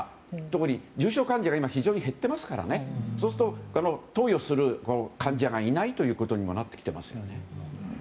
特に、重症患者が今非常に減っていますからそうすると投与する患者がいないということにもなってきますね。